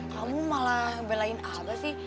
kamu malah belain apa sih